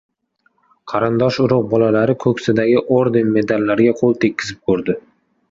Qarindosh-urug‘ bolalari ko‘ksidagi orden-medallarga qo‘l tekkizib ko‘rdi.